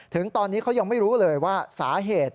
ถึงตอนนี้เขายังไม่รู้เลยว่าสาเหตุ